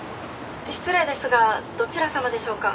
「失礼ですがどちら様でしょうか？」